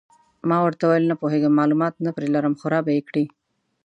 ما ورته وویل: نه پوهېږم، معلومات نه پرې لرم، خو را به یې کړي.